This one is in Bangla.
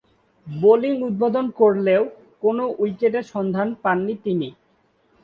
বোলিং উদ্বোধন করলেও কোন উইকেটের সন্ধানে পাননি তিনি।